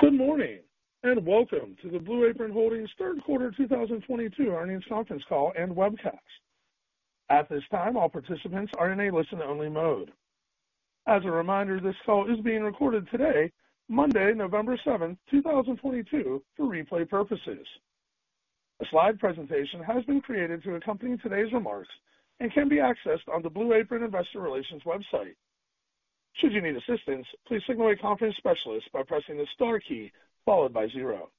Good morning, and welcome to the Blue Apron Holdings Q3 2022 Earnings Conference Call and Webcast. At this time, all participants are in a listen-only mode. As a reminder, this call is being recorded today, Monday, 7 November 2022, for replay purposes. A slide presentation has been created to accompany today's remarks and can be accessed on the Blue Apron Investor Relations website. Should you need assistance, please signal a conference specialist by pressing the star key followed by zero.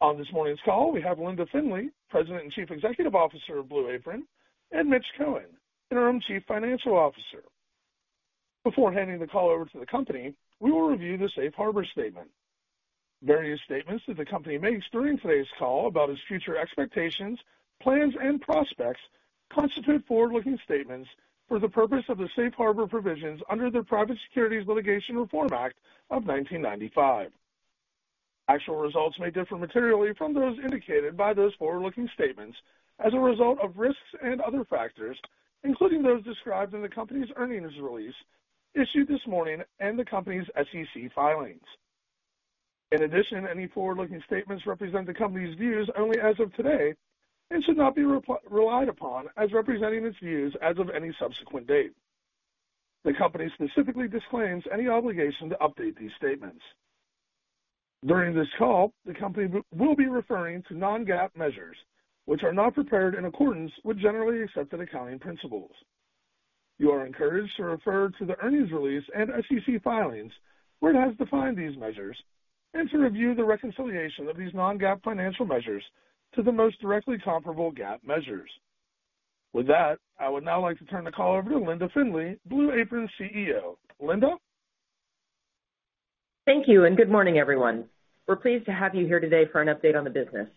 On this morning's call, we have Linda Findley, President and Chief Executive Officer of Blue Apron, and Mitch Cohen, Interim Chief Financial Officer. Before handing the call over to the company, we will review the Safe Harbor statement. Various statements that the company makes during today's call about its future expectations, plans, and prospects constitute forward-looking statements for the purpose of the Safe Harbor provisions under the Private Securities Litigation Reform Act of 1995. Actual results may differ materially from those indicated by those forward-looking statements as a result of risks and other factors, including those described in the company's earnings release issued this morning and the company's SEC filings. In addition, any forward-looking statements represent the company's views only as of today and should not be relied upon as representing its views as of any subsequent date. The company specifically disclaims any obligation to update these statements. During this call, the company will be referring to non-GAAP measures, which are not prepared in accordance with generally accepted accounting principles. You are encouraged to refer to the earnings release and SEC filings, where it has defined these measures, and to review the reconciliation of these non-GAAP financial measures to the most directly comparable GAAP measures. With that, I would now like to turn the call over to Linda Findley, Blue Apron's CEO. Linda? Thank you, and good morning, everyone. We're pleased to have you here today for an update on the business.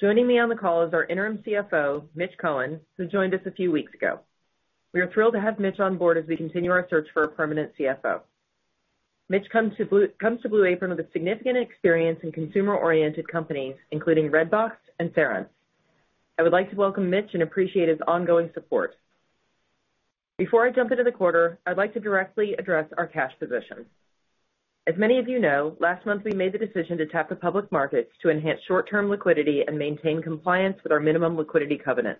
Joining me on the call is our interim CFO, Mitch Cohen, who joined us a few weeks ago. We are thrilled to have Mitch on board as we continue our search for a permanent CFO. Mitch comes to Blue Apron with significant experience in consumer-oriented companies, including Redbox and Cerence. I would like to welcome Mitch and appreciate his ongoing support. Before I jump into the quarter, I'd like to directly address our cash position. As many of you know, last month, we made the decision to tap the public markets to enhance short-term liquidity and maintain compliance with our minimum liquidity covenant.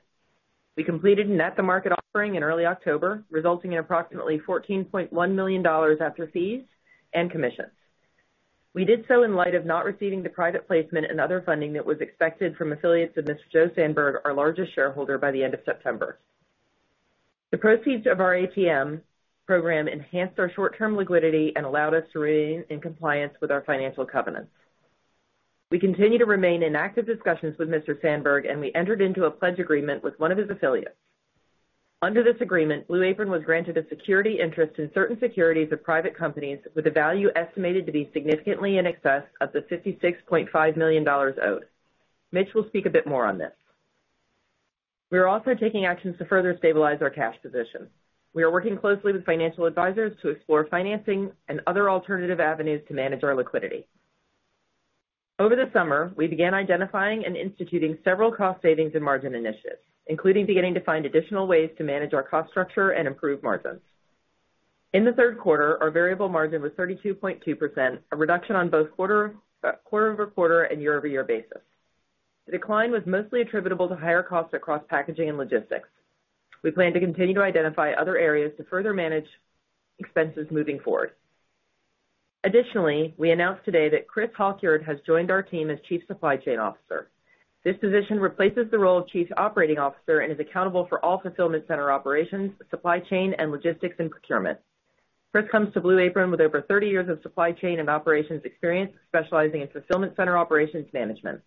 We completed an at-the-market offering in early October, resulting in approximately $14.1 million after fees and commissions. We did so in light of not receiving the private placement and other funding that was expected from affiliates of Mr. Joe Sanberg, our largest shareholder, by the end of September. The proceeds of our ATM program enhanced our short-term liquidity and allowed us to remain in compliance with our financial covenants. We continue to remain in active discussions with Mr. Sanberg, and we entered into a pledge agreement with one of his affiliates. Under this agreement, Blue Apron was granted a security interest in certain securities of private companies with a value estimated to be significantly in excess of the $56.5 million owed. Mitch will speak a bit more on this. We are also taking actions to further stabilize our cash position. We are working closely with financial advisors to explore financing and other alternative avenues to manage our liquidity. Over the summer, we began identifying and instituting several cost savings and margin initiatives, including beginning to find additional ways to manage our cost structure and improve margins. In the Q3, our variable margin was 32.2%, a reduction on both quarter-over-quarter and year-over-year basis. The decline was mostly attributable to higher costs across packaging and logistics. We plan to continue to identify other areas to further manage expenses moving forward. Additionally, we announced today that Chris Halkyard has joined our team as Chief Supply Chain Officer. This position replaces the role of Chief Operating Officer and is accountable for all fulfillment center operations, supply chain, and logistics, and procurement. Chris comes to Blue Apron with over 30 years of supply chain and operations experience, specializing in fulfillment center operations management.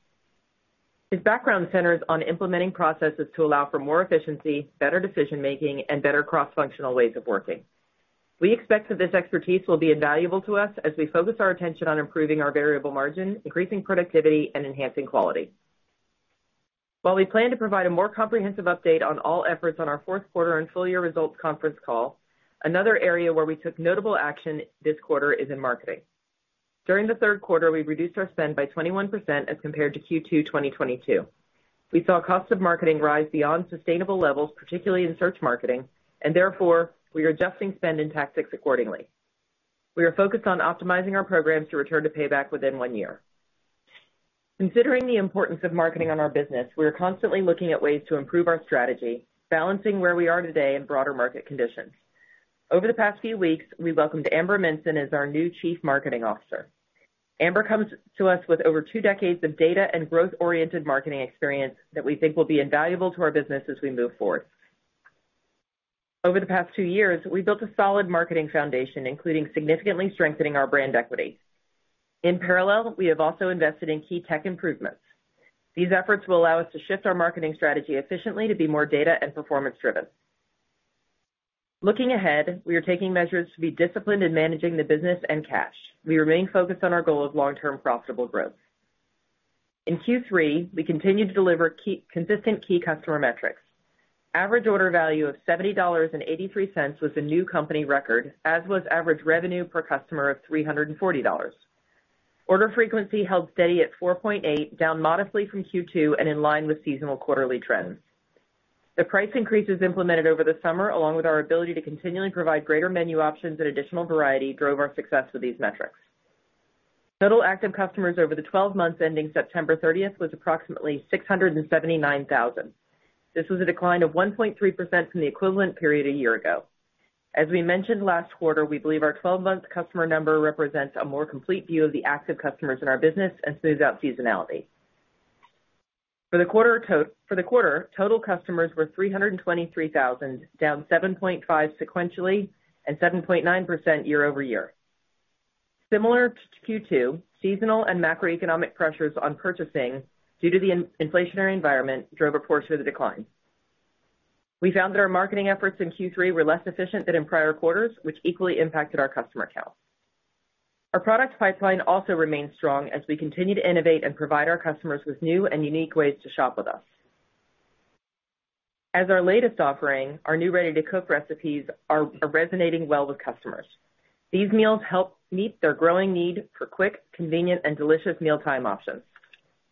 His background centers on implementing processes to allow for more efficiency, better decision-making, and better cross-functional ways of working. We expect that this expertise will be invaluable to us as we focus our attention on improving our variable margin, increasing productivity, and enhancing quality. While we plan to provide a more comprehensive update on all efforts on our Q4 and full-year results conference call, another area where we took notable action this quarter is in marketing. During the Q3, we reduced our spend by 21% as compared to Q2 2022. We saw cost of marketing rise beyond sustainable levels, particularly in search marketing, and therefore, we are adjusting spend and tactics accordingly. We are focused on optimizing our programs to return to payback within one year. Considering the importance of marketing on our business, we are constantly looking at ways to improve our strategy, balancing where we are today in broader market conditions. Over the past few weeks, we welcomed Amber Minson as our new Chief Marketing Officer. Amber comes to us with over two decades of data and growth-oriented marketing experience that we think will be invaluable to our business as we move forward. Over the past two years, we built a solid marketing foundation, including significantly strengthening our brand equity. In parallel, we have also invested in key tech improvements. These efforts will allow us to shift our marketing strategy efficiently to be more data and performance-driven. Looking ahead, we are taking measures to be disciplined in managing the business and cash. We remain focused on our goal of long-term profitable growth. In Q3, we continued to deliver consistent key customer metrics. Average order value of $70.83 was a new company record, as was average revenue per customer of $340. Order frequency held steady at 4.8, down modestly from Q2 and in line with seasonal quarterly trends. The price increases implemented over the summer, along with our ability to continually provide greater menu options and additional variety, drove our success with these metrics. Total active customers over the 12 months ending 30 September 2022 was approximately 679,000. This was a decline of 1.3% from the equivalent period a year ago. As we mentioned last quarter, we believe our 12-month customer number represents a more complete view of the active customers in our business and smooths out seasonality. For the quarter, total customers were 323,000, down 7.5% sequentially and 7.9% year over year. Similar to Q2, seasonal and macroeconomic pressures on purchasing due to the inflationary environment drove a portion of the decline. We found that our marketing efforts in Q3 were less efficient than in prior quarters, which equally impacted our customer count. Our product pipeline also remains strong as we continue to innovate and provide our customers with new and unique ways to shop with us. As our latest offering, our new Ready-to-Cook recipes are resonating well with customers. These meals help meet their growing need for quick, convenient, and delicious mealtime options.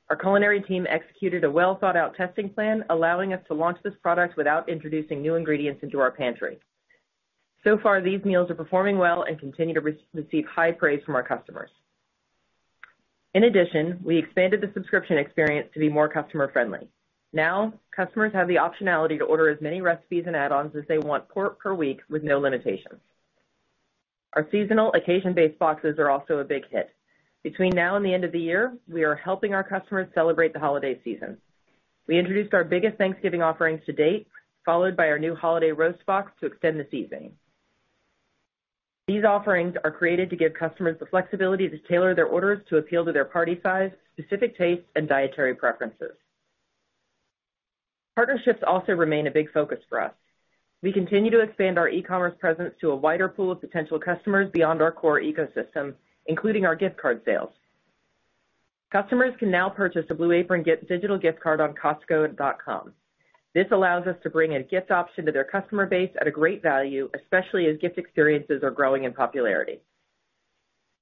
Our culinary team executed a well-thought-out testing plan, allowing us to launch this product without introducing new ingredients into our pantry. So far, these meals are performing well and continue to receive high praise from our customers. In addition, we expanded the subscription experience to be more customer-friendly. Now, customers have the optionality to order as many recipes and add-ons as they want per week with no limitations. Our seasonal occasion-based boxes are also a big hit. Between now and the end of the year, we are helping our customers celebrate the holiday season. We introduced our biggest Thanksgiving offerings to date, followed by our new holiday roast box to extend the seasoning. These offerings are created to give customers the flexibility to tailor their orders to appeal to their party size, specific tastes, and dietary preferences. Partnerships also remain a big focus for us. We continue to expand our e-commerce presence to a wider pool of potential customers beyond our core ecosystem, including our gift card sales. Customers can now purchase a Blue Apron digital gift card on Costco.com. This allows us to bring a gift option to their customer base at a great value, especially as gift experiences are growing in popularity.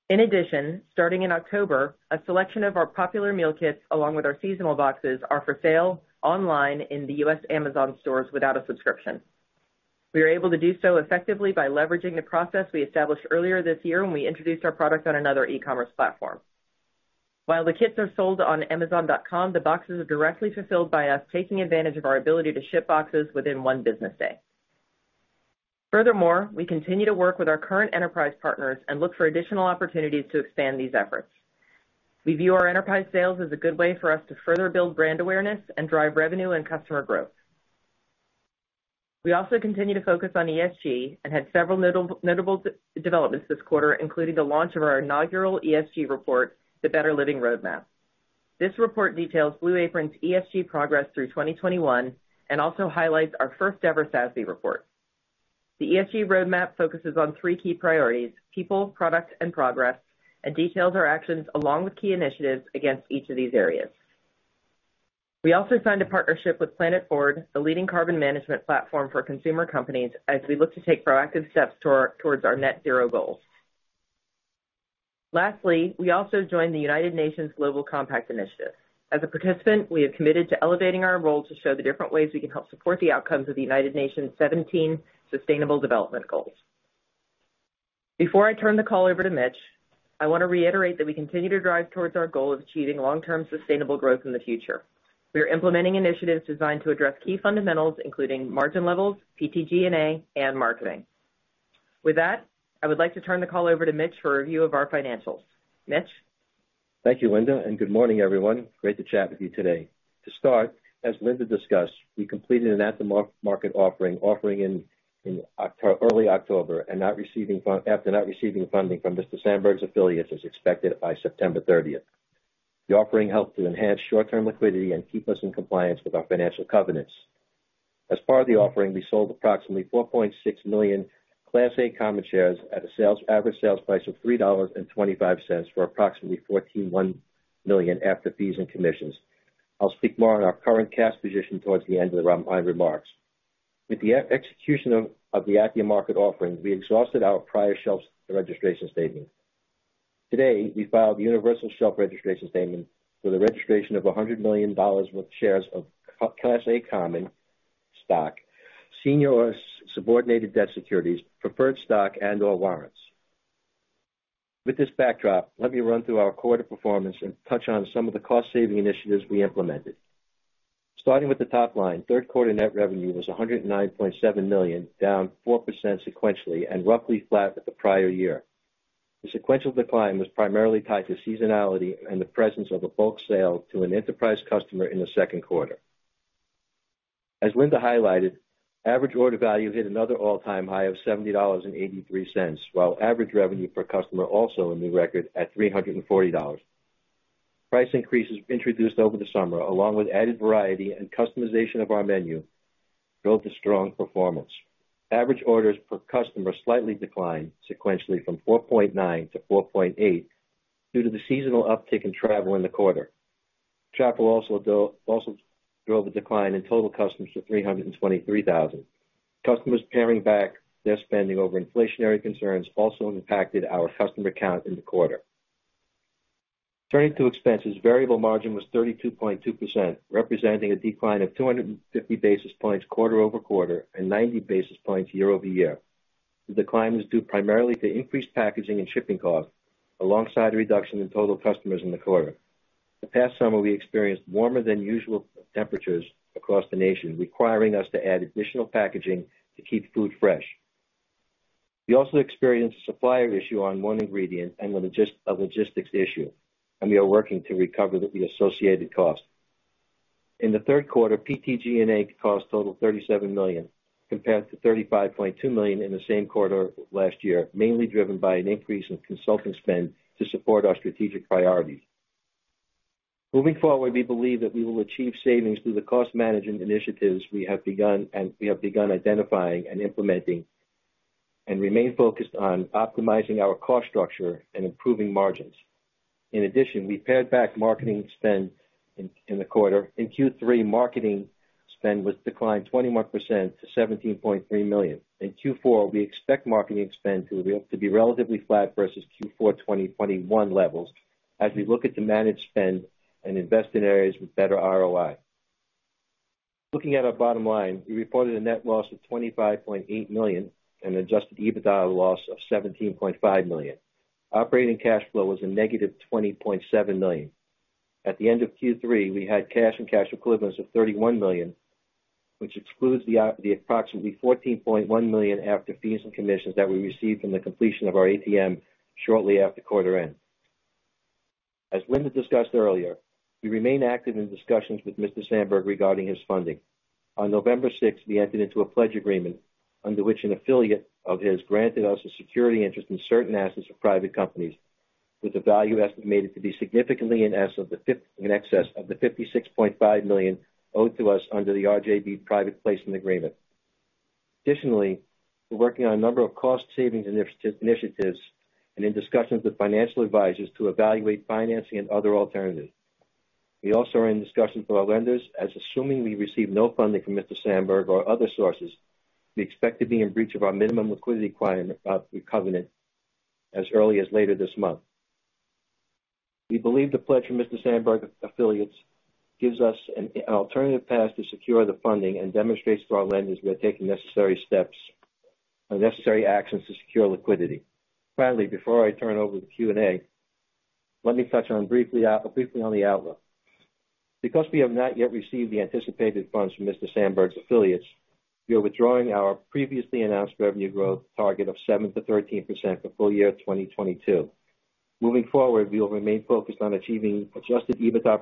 In addition, starting in October, a selection of our popular meal kits along with our seasonal boxes are for sale online in the U.S. Amazon stores without a subscription. We are able to do so effectively by leveraging the process we established earlier this year when we introduced our product on another e-commerce platform. While the kits are sold on Amazon.com, the boxes are directly fulfilled by us, taking advantage of our ability to ship boxes within one business day. Furthermore, we continue to work with our current enterprise partners and look for additional opportunities to expand these efforts. We view our enterprise sales as a good way for us to further build brand awareness and drive revenue and customer growth. We also continue to focus on ESG and had several notable developments this quarter, including the launch of our inaugural ESG report, The Better Living Roadmap. This report details Blue Apron's ESG progress through 2021 and also highlights our first ever SASB report. The ESG roadmap focuses on three key priorities, people, product, and progress, and details our actions along with key initiatives against each of these areas. We also signed a partnership with Planet FWD, the leading carbon management platform for consumer companies, as we look to take proactive steps towards our net zero goals. Lastly, we also joined the United Nations Global Compact Initiative. As a participant, we have committed to elevating our role to show the different ways we can help support the outcomes of the United Nations' 17 Sustainable Development Goals. Before I turn the call over to Mitch, I want to reiterate that we continue to drive towards our goal of achieving long-term sustainable growth in the future. We are implementing initiatives designed to address key fundamentals, including margin levels, PTG&A, and marketing. With that, I would like to turn the call over to Mitch for a review of our financials. Mitch? Thank you, Linda, and good morning, everyone. Great to chat with you today. To start, as Linda discussed, we completed an at-the-market offering in early October after not receiving funding from Mr. Sanberg's affiliates as expected by 30 September 2022. The offering helped to enhance short-term liquidity and keep us in compliance with our financial covenants. As part of the offering, we sold approximately 4.6 million Class A common shares at an average sales price of $3.25 for approximately $14.1 million after fees and commissions. I'll speak more on our current cash position towards the end of my remarks. With the execution of the at-the-market offering, we exhausted our prior shelf registration statement. Today, we filed the universal shelf registration statement for the registration of $100 million with shares of Class A common stock, senior or subordinated debt securities, preferred stock, and/or warrants. With this backdrop, let me run through our quarter performance and touch on some of the cost-saving initiatives we implemented. Starting with the top line, Q3 net revenue was $109.7 million, down 4% sequentially and roughly flat with the prior year. The sequential decline was primarily tied to seasonality and the presence of a bulk sale to an enterprise customer in the Q2. As Linda highlighted, average order value hit another all-time high of $70.83, while average revenue per customer also a new record at $340. Price increases introduced over the summer, along with added variety and customization of our menu, drove the strong performance. Average orders per customer slightly declined sequentially from 4.9 to 4.8 due to the seasonal uptick in travel in the quarter. Travel also drove a decline in total customers to 323,000. Customers paring back their spending over inflationary concerns also impacted our customer count in the quarter. Turning to expenses, variable margin was 32.2%, representing a decline of 250 basis points quarter-over-quarter and 90 basis points year-over-year. The decline was due primarily to increased packaging and shipping costs alongside a reduction in total customers in the quarter. The past summer, we experienced warmer than usual temperatures across the nation, requiring us to add additional packaging to keep food fresh. We also experienced a supplier issue on one ingredient and a logistics issue, and we are working to recover the associated costs. In the Q3, PTG&A costs totaled $37 million, compared to $35.2 million in the same quarter last year, mainly driven by an increase in consulting spend to support our strategic priorities. Moving forward, we believe that we will achieve savings through the cost management initiatives we have begun identifying and implementing and remain focused on optimizing our cost structure and improving margins. In addition, we pared back marketing spend in the quarter. In Q3, marketing spend was declined 21% to $17.3 million. In Q4, we expect marketing spend to be relatively flat versus Q4 2021 levels as we look at the managed spend and invest in areas with better ROI. Looking at our bottom line, we reported a net loss of $25.8 million and Adjusted EBITDA loss of $17.5 million. Operating cash flow was a negative $20.7 million. At the end of Q3, we had cash and cash equivalents of $31 million, which excludes the approximately $14.1 million after fees and commissions that we received from the completion of our ATM shortly after quarter end. As Linda discussed earlier, we remain active in discussions with Mr. Sanberg regarding his funding. On 6 November 2022, we entered into a pledge agreement under which an affiliate of his granted us a security interest in certain assets of private companies, with a value estimated to be significantly in excess of the $56.5 million owed to us under the RJB private placement agreement. Additionally, we're working on a number of cost savings initiatives and in discussions with financial advisors to evaluate financing and other alternatives. We also are in discussions with our lenders, assuming we receive no funding from Mr. Sanberg or other sources, we expect to be in breach of our minimum liquidity covenant as early as later this month. We believe the pledge from Mr. Sanberg's affiliates gives us an alternative path to secure the funding and demonstrates to our lenders we are taking necessary steps, necessary actions to secure liquidity. Finally, before I turn over to Q&A, let me touch briefly on the outlook. Because we have not yet received the anticipated funds from Mr. Sanberg's affiliates, we are withdrawing our previously announced revenue growth target of 7%-13% for full year 2022. Moving forward, we will remain focused on achieving Adjusted EBITDA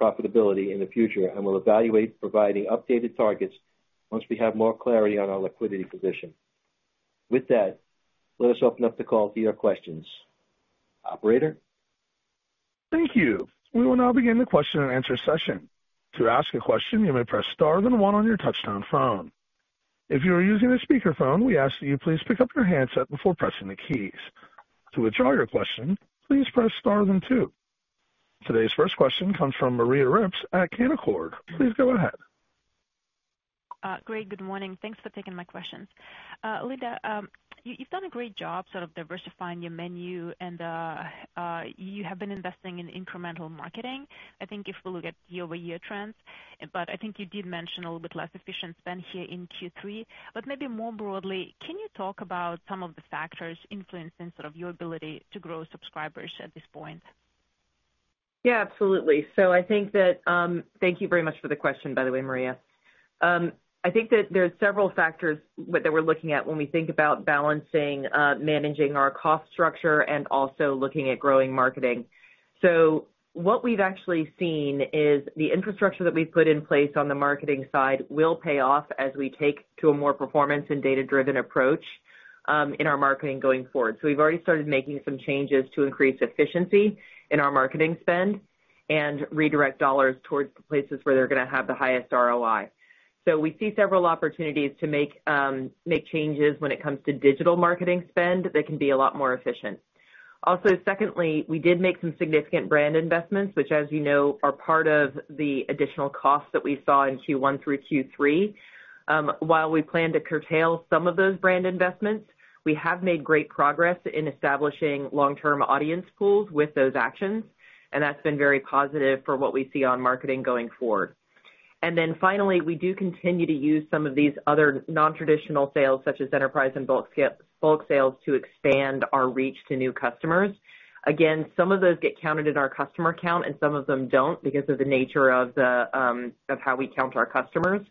profitability in the future and will evaluate providing updated targets once we have more clarity on our liquidity position. With that, let us open up the call to your questions. Operator? Thank you. We will now begin the question-and-answer session. To ask a question, you may press star then one on your touchtone phone. If you are using a speakerphone, we ask that you please pick up your handset before pressing the keys. To withdraw your question, please press star then two. Today's first question comes from Maria Ripps at Canaccord. Please go ahead. Great. Good morning. Thanks for taking my questions. Linda, you've done a great job sort of diversifying your menu and you have been investing in incremental marketing. I think if we look at year-over-year trends, but I think you did mention a little bit less efficient spend here in Q3. Maybe more broadly, can you talk about some of the factors influencing sort of your ability to grow subscribers at this point? Yeah, absolutely. I think that, thank you very much for the question, by the way, Maria. I think that there's several factors that we're looking at when we think about balancing, managing our cost structure and also looking at growing marketing. What we've actually seen is the infrastructure that we've put in place on the marketing side will pay off as we take a more performance and data-driven approach, in our marketing going forward. We've already started making some changes to increase efficiency in our marketing spend and redirect dollars towards the places where they're gonna have the highest ROI. We see several opportunities to make changes when it comes to digital marketing spend that can be a lot more efficient. Also, secondly, we did make some significant brand investments, which as you know, are part of the additional costs that we saw in Q1 through Q3. While we plan to curtail some of those brand investments, we have made great progress in establishing long-term audience pools with those actions, and that's been very positive for what we see on marketing going forward. Finally, we do continue to use some of these other non-traditional sales such as enterprise and bulk sales to expand our reach to new customers. Again, some of those get counted in our customer count and some of them don't because of the nature of the, of how we count our customers.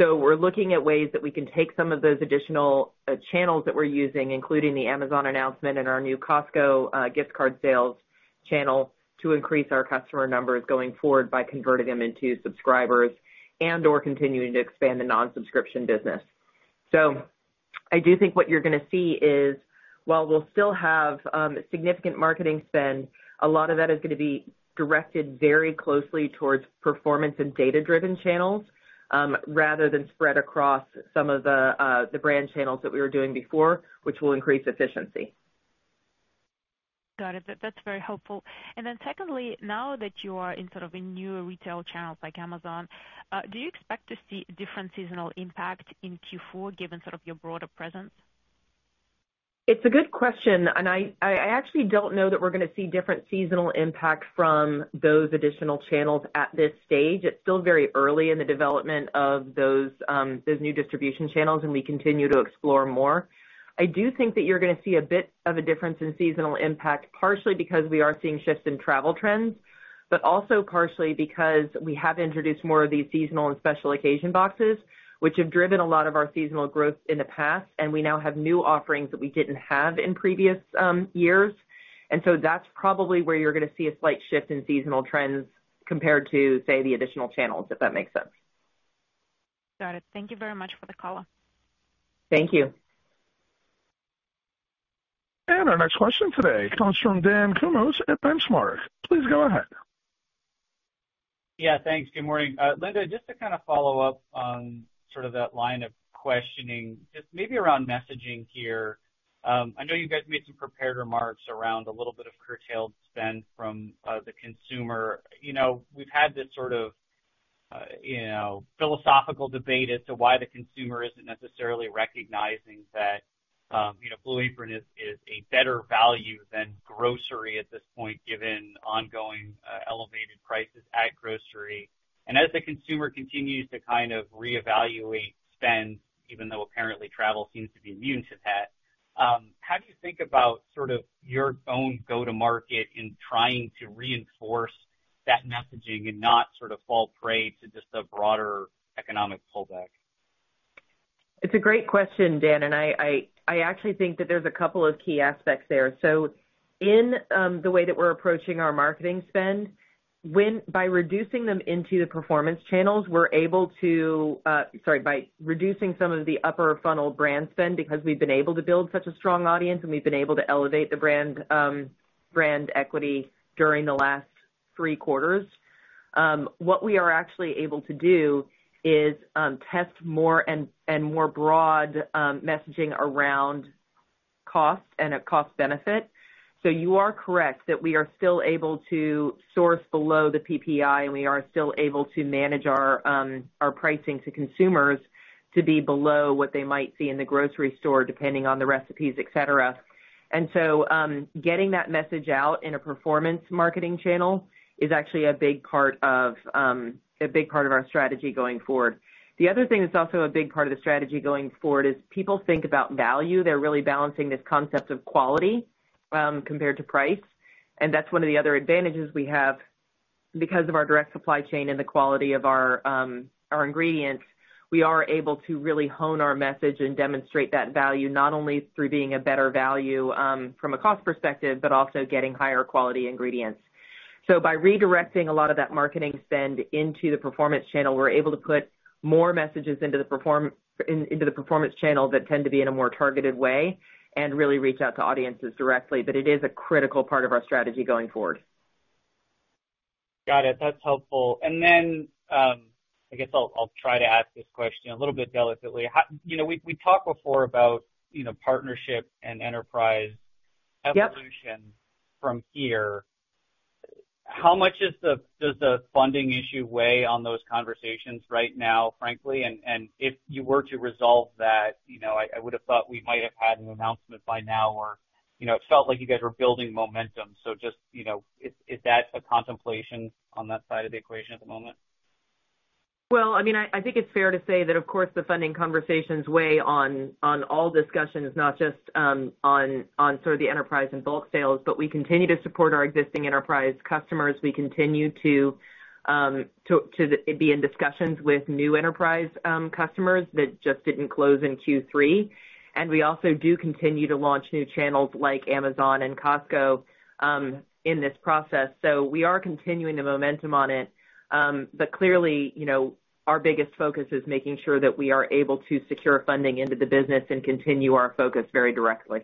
We're looking at ways that we can take some of those additional channels that we're using, including the Amazon announcement and our new Costco gift card sales channel, to increase our customer numbers going forward by converting them into subscribers and/or continuing to expand the non-subscription business. I do think what you're gonna see is while we'll still have significant marketing spend, a lot of that is gonna be directed very closely towards performance and data-driven channels, rather than spread across some of the brand channels that we were doing before, which will increase efficiency. Got it. That's very helpful. Secondly, now that you are in sort of newer retail channels like Amazon, do you expect to see different seasonal impact in Q4 given sort of your broader presence? It's a good question, and I actually don't know that we're gonna see different seasonal impact from those additional channels at this stage. It's still very early in the development of those new distribution channels, and we continue to explore more. I do think that you're gonna see a bit of a difference in seasonal impact, partially because we are seeing shifts in travel trends, but also partially because we have introduced more of these seasonal and special occasion boxes, which have driven a lot of our seasonal growth in the past, and we now have new offerings that we didn't have in previous years. That's probably where you're gonna see a slight shift in seasonal trends compared to, say, the additional channels, if that makes sense. Got it. Thank you very much for the call. Thank you. Our next question today comes from Dan Kurnos at Benchmark. Please go ahead. Yeah, thanks. Good morning. Linda, just to kind of follow up on sort of that line of questioning, just maybe around messaging here. I know you guys made some prepared remarks around a little bit of curtailed spend from the consumer. You know, we've had this sort of you know, philosophical debate as to why the consumer isn't necessarily recognizing that you know, Blue Apron is a better value than grocery at this point, given ongoing elevated prices at grocery. As the consumer continues to kind of reevaluate spend, even though apparently travel seems to be immune to that, how do you think about sort of your own go-to-market in trying to reinforce that messaging and not sort of fall prey to just the broader economic pullback? It's a great question, Dan, and I actually think that there's a couple of key aspects there. In the way that we're approaching our marketing spend, by reducing some of the upper funnel brand spend because we've been able to build such a strong audience and we've been able to elevate the brand equity during the last three quarters. What we are actually able to do is test more and more broad messaging around cost and a cost-benefit. You are correct that we are still able to source below the PPI, and we are still able to manage our pricing to consumers to be below what they might see in the grocery store, depending on the recipes, et cetera. Getting that message out in a performance marketing channel is actually a big part of our strategy going forward. The other thing that's also a big part of the strategy going forward is people think about value. They're really balancing this concept of quality compared to price. That's one of the other advantages we have. Because of our direct supply chain and the quality of our ingredients, we are able to really hone our message and demonstrate that value not only through being a better value from a cost perspective, but also getting higher quality ingredients. By redirecting a lot of that marketing spend into the performance channel, we're able to put more messages into the performance channel that tend to be in a more targeted way and really reach out to audiences directly. It is a critical part of our strategy going forward. Got it. That's helpful. I guess I'll try to ask this question a little bit delicately. How, you know, we talked before about, you know, partnership and enterprise. Yep. Evolution from here. How much does the funding issue weigh on those conversations right now, frankly? If you were to resolve that, you know, I would have thought we might have had an announcement by now or, you know, it felt like you guys were building momentum. Just, you know, is that a contemplation on that side of the equation at the moment? Well, I mean, I think it's fair to say that, of course, the funding conversations weigh on all discussions, not just on sort of the enterprise and bulk sales. We continue to support our existing enterprise customers. We continue to be in discussions with new enterprise customers that just didn't close in Q3. We also do continue to launch new channels like Amazon and Costco in this process. We are continuing the momentum on it. Clearly, you know, our biggest focus is making sure that we are able to secure funding into the business and continue our focus very directly.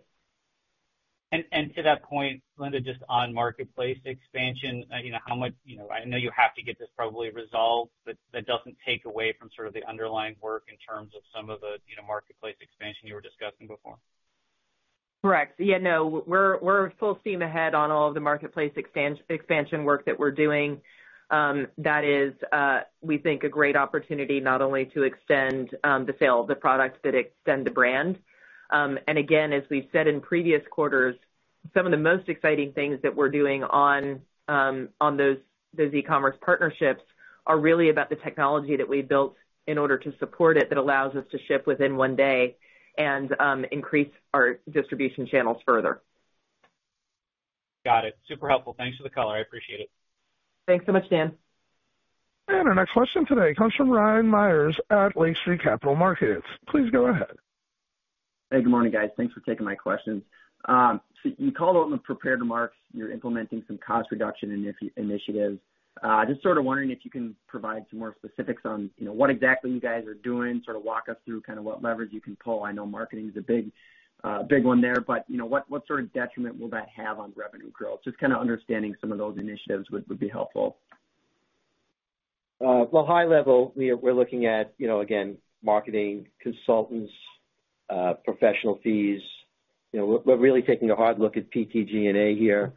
To that point, Linda, just on marketplace expansion, you know, how much. You know, I know you have to get this probably resolved, but that doesn't take away from sort of the underlying work in terms of some of the, you know, marketplace expansion you were discussing before. Correct. Yeah, no, we're full steam ahead on all of the marketplace expansion work that we're doing. That is, we think a great opportunity not only to extend the sale of the products that extend the brand. Again, as we've said in previous quarters, some of the most exciting things that we're doing on those e-commerce partnerships are really about the technology that we built in order to support it that allows us to ship within one day and increase our distribution channels further. Got it. Super helpful. Thanks for the color. I appreciate it. Thanks so much, Dan. Our next question today comes from Ryan Meyers at Lake Street Capital Markets. Please go ahead. Hey, good morning, guys. Thanks for taking my questions. You called out in the prepared remarks you're implementing some cost reduction initiatives. Just sort of wondering if you can provide some more specifics on, you know, what exactly you guys are doing, sort of walk us through kind of what leverage you can pull. I know marketing is a big one there, but, you know, what sort of detriment will that have on revenue growth? Just kinda understanding some of those initiatives would be helpful. Well, high level, we're looking at, you know, again, marketing consultants, professional fees. You know, we're really taking a hard look at PTG&A here.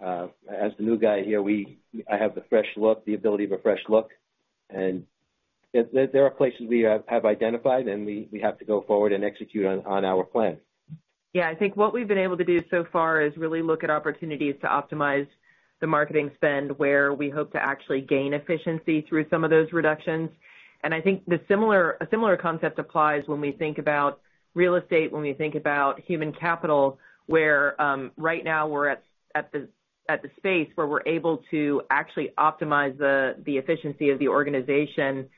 As the new guy here, I have the fresh look, the ability of a fresh look, and there are places we have identified and we have to go forward and execute on our plan. Yeah. I think what we've been able to do so far is really look at opportunities to optimize the marketing spend, where we hope to actually gain efficiency through some of those reductions. I think a similar concept applies when we think about real estate, when we think about human capital, where right now we're at the space where we're able to actually optimize the efficiency of the organization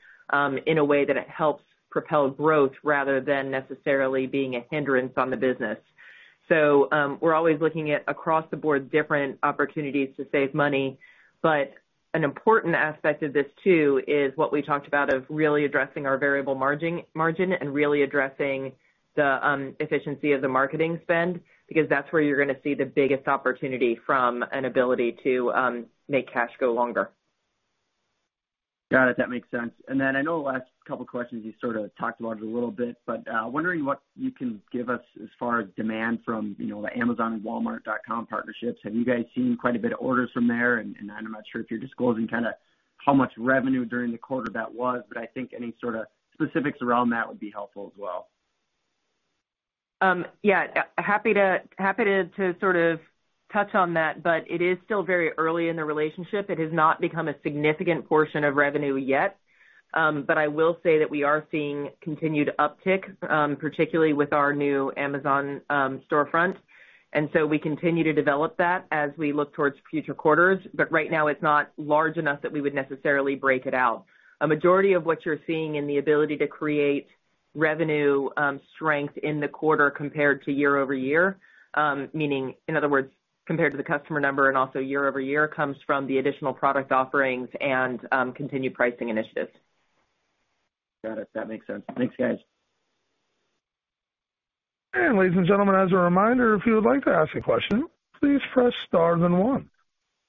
in a way that it helps propel growth rather than necessarily being a hindrance on the business. We're always looking at, across the board, different opportunities to save money. An important aspect of this too is what we talked about, of really addressing our variable margin and really addressing the efficiency of the marketing spend, because that's where you're gonna see the biggest opportunity from an ability to make cash go longer. Got it. That makes sense. I know the last couple questions you sort of talked about it a little bit, but wondering what you can give us as far as demand from, you know, the Amazon and Walmart.com partnerships. Have you guys seen quite a bit of orders from there? I'm not sure if you're disclosing kinda how much revenue during the quarter that was, but I think any sorta specifics around that would be helpful as well. Yeah. Happy to sort of touch on that. It is still very early in the relationship. It has not become a significant portion of revenue yet. I will say that we are seeing continued uptick, particularly with our new Amazon storefront. We continue to develop that as we look towards future quarters. Right now, it's not large enough that we would necessarily break it out. A majority of what you're seeing in the ability to create revenue strength in the quarter compared to year-over-year, meaning in other words, compared to the customer number and also year-over-year, comes from the additional product offerings and continued pricing initiatives. Got it. That makes sense. Thanks, guys. Ladies and gentlemen, as a reminder, if you would like to ask a question, please press star then one.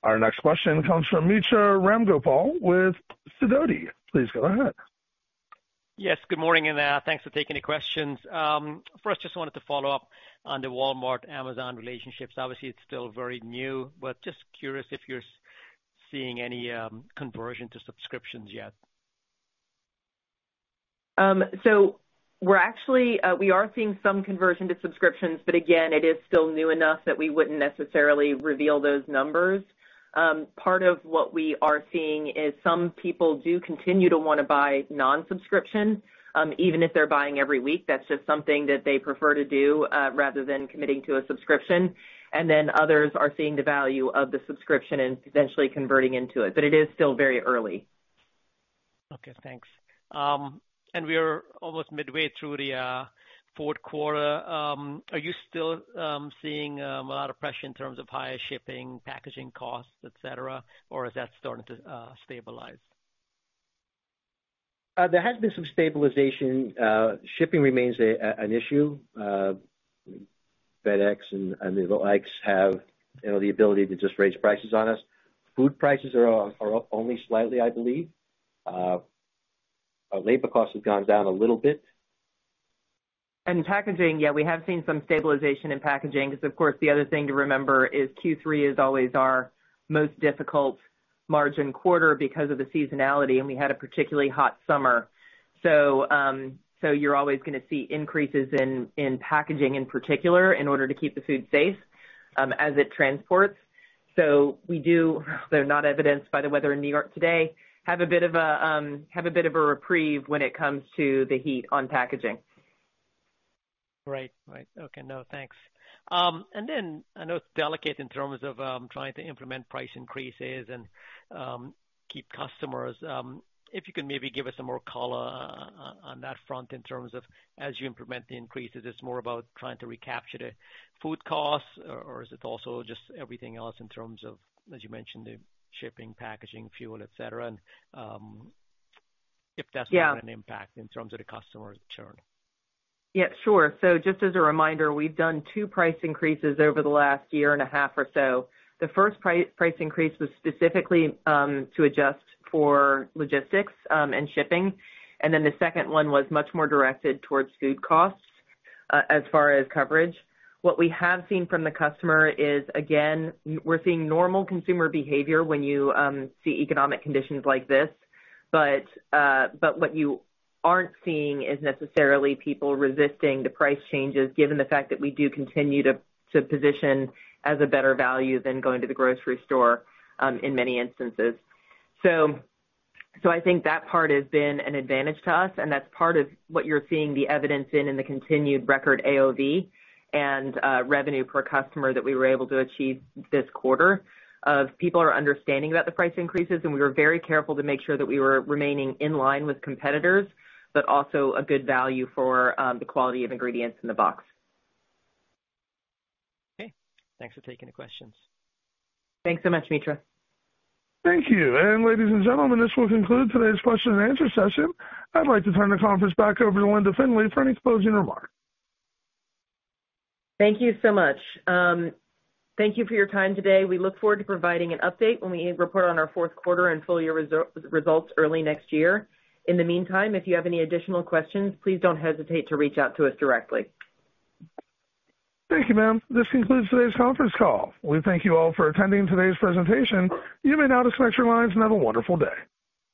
Our next question comes from Mitra Ramgopal with Sidoti. Please go ahead. Yes, good morning, and thanks for taking the questions. First just wanted to follow up on the Walmart, Amazon relationships. Obviously it's still very new, but just curious if you're seeing any conversion to subscriptions yet. We are seeing some conversion to subscriptions, but again, it is still new enough that we wouldn't necessarily reveal those numbers. Part of what we are seeing is some people do continue to wanna buy non-subscription, even if they're buying every week. That's just something that they prefer to do, rather than committing to a subscription. Others are seeing the value of the subscription and eventually converting into it. It is still very early. Okay, thanks. We are almost midway through the Q4. Are you still seeing a lot of pressure in terms of higher shipping, packaging costs, et cetera? Or is that starting to stabilize? There has been some stabilization. Shipping remains an issue. FedEx and the likes have, you know, the ability to just raise prices on us. Food prices are up only slightly, I believe. Our labor costs have gone down a little bit. Packaging, yeah, we have seen some stabilization in packaging because of course, the other thing to remember is Q3 is always our most difficult margin quarter because of the seasonality, and we had a particularly hot summer. You're always gonna see increases in packaging in particular, in order to keep the food safe, as it transports. We do, though not evidenced by the weather in New York today, have a bit of a reprieve when it comes to the heat on packaging. Right. Okay. No, thanks. I know it's delicate in terms of trying to implement price increases and keep customers. If you can maybe give us some more color on that front in terms of as you implement the increases, it's more about trying to recapture the food costs, or is it also just everything else in terms of, as you mentioned, the shipping, packaging, fuel, et cetera? If that's Yeah. Having an impact in terms of the customer churn. Yeah, sure. Just as a reminder, we've done two price increases over the last year and a half or so. The first price increase was specifically to adjust for logistics and shipping. Then the second one was much more directed towards food costs as far as coverage. What we have seen from the customer is, again, we're seeing normal consumer behavior when you see economic conditions like this. What you aren't seeing is necessarily people resisting the price changes, given the fact that we do continue to position as a better value than going to the grocery store in many instances. I think that part has been an advantage to us, and that's part of what you're seeing the evidence in the continued record AOV and revenue per customer that we were able to achieve this quarter. People are understanding about the price increases, and we were very careful to make sure that we were remaining in line with competitors, but also a good value for the quality of ingredients in the box. Okay. Thanks for taking the questions. Thanks so much, Mitra. Thank you. Ladies and gentlemen, this will conclude today's question and answer session. I'd like to turn the conference back over to Linda Findley for any closing remarks. Thank you so much. Thank you for your time today. We look forward to providing an update when we report on our Q4 and full year results early next year. In the meantime, if you have any additional questions, please don't hesitate to reach out to us directly. Thank you, ma'am. This concludes today's conference call. We thank you all for attending today's presentation. You may now disconnect your lines and have a wonderful day.